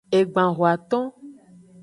Egban hoaton.